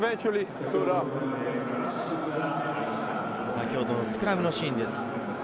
先ほどのスクラムのシーンです。